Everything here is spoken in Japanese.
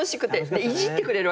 いじってくれるわけ。